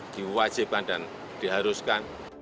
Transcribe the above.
diwajibkan dan diharuskan